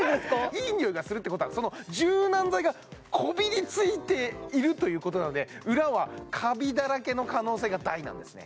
いいニオイがするってことはその柔軟剤がこびりついているということなので裏はカビだらけの可能性が大なんですね